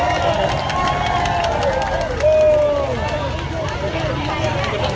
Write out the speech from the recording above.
เฮียเฮียเฮีย